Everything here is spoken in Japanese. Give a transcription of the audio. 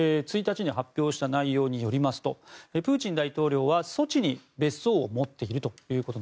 １日に発表した内容によりますとプーチン大統領はソチに別荘を持っていると。